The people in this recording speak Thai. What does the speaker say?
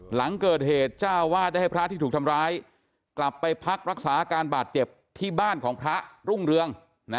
หลังเกิดเหตุเจ้าวาดได้ให้พระที่ถูกทำร้ายกลับไปพักรักษาอาการบาดเจ็บที่บ้านของพระรุ่งเรือง